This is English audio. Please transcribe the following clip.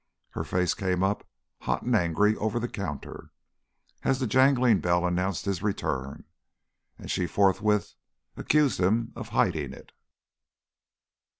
Her face came up hot and angry over the counter, as the jangling bell announced his return, and she forthwith accused him of "hiding it."